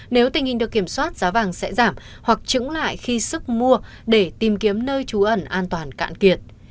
nếu tình hình được kiểm soát giá vàng sẽ giảm hoặc trứng lại khi sức mua để tìm kiếm nơi trú ẩn an toàn cạn kiệt